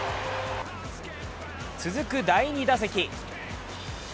続く第２打席。